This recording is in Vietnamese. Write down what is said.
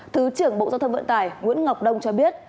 thứ trưởng bộ giao thông vận tải nguyễn ngọc đông cho biết